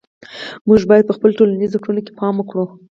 موږ باید په خپلو ټولنیزو کړنو کې پام وکړو.